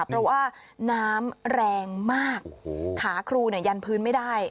เพราะว่าน้ำแรงมากขาครูยันพื้นไม่ได้